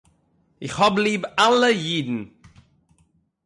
איך האב ליב אלע אידן